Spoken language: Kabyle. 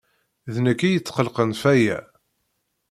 D nekk i yetqelqen f aya.